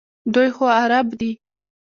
دوی خو عرب دي.